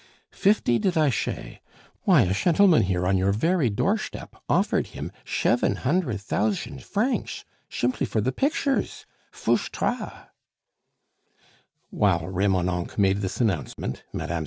"Fifty, did I shay? Why, a shentleman here, on your very doorshtep, offered him sheven hundred thoushand francsh, shimply for the pictursh, fouchtra!" While Remonencq made this announcement, Mme.